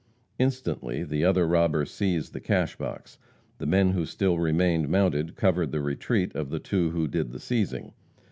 Instantly the other robber seized the cash box. The men who still remained mounted covered the retreat of the two who did the seizing.